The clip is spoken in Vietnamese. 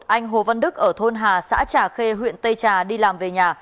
anh hồ văn đức ở thôn hà xã trà khê huyện tây trà đi làm về nhà